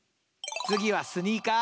次はスニーカー。